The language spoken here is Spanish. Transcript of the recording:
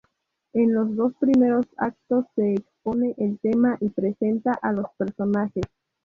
En los dos primeros actos se expone el tema y presenta a los personajes.